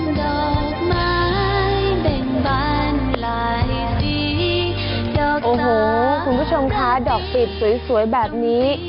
ดอกไม้เป็นบานไหล่ดีดอกตาดีโอโหคุณผู้ชมคะดอกปีบสวยแบบนี้